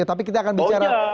tapi kita akan bicara